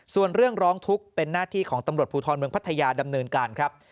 ส่วนเรื่องร้องทุกข์เป็นหน้าที่ของตำรวจภูทรเมืองพัทยาดำเนินการครับ